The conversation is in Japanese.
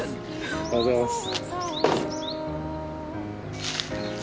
おはようございます。